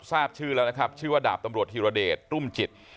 ทราบชื่อแล้วนะครับชื่อว่าดาบตำรวจธีรเดชรุ่มจิต